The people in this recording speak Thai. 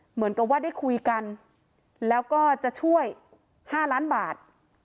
เหมือนกับว่าได้คุยกันแล้วก็จะช่วย๕ล้านบาท